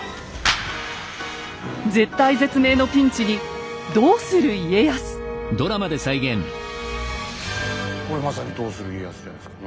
絶体絶命のピンチにこれまさに「どうする家康」じゃないですか。